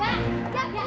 biar muda buang keluar